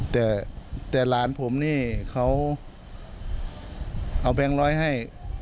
แต่หลานผมนี่เขาเอาแบงค์ร้อยให้